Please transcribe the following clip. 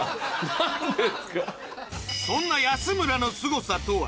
そんな安村のスゴさとは？